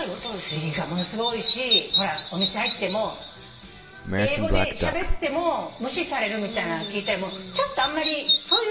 すりがものすごい多いしお店入っても英語でしゃべっても無視されるみたいなの聞いたりちょっとあんまり。